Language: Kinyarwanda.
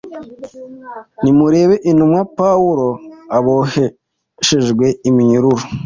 Nimurebe intumwa Pawulo aboheshejwe iminyururu